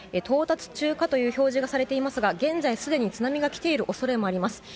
到達中かいう表示がされていますがすでに津波が来ている恐れもあります。